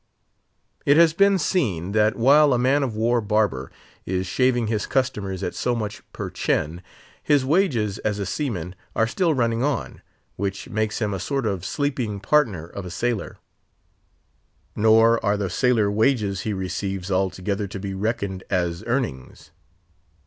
It has been seen that while a man of war barber is shaving his customers at so much per chin, his wages as a seaman are still running on, which makes him a sort of sleeping partner of a sailor; nor are the sailor wages he receives altogether to be reckoned as earnings.